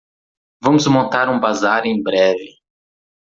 Vamos montar um bazar em breve